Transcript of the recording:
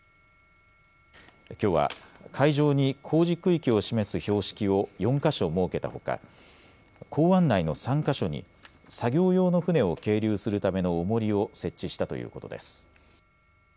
きょうは海上に工事区域を示す標識を４か所設けたほか港湾内の３か所に作業用の船を係留するためのおもりを設置したということです。